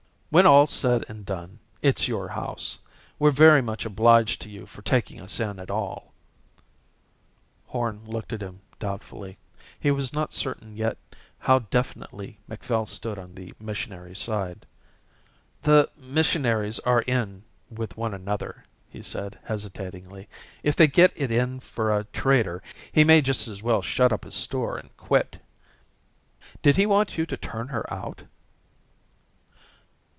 "When all's said and done it's your house. We're very much obliged to you for taking us in at all." Horn looked at him doubtfully. He was not certain yet how definitely Macphail stood on the missionary's side. "The missionaries are in with one another," he said, hesitatingly. "If they get it in for a trader he may just as well shut up his store and quit." "Did he want you to turn her out?"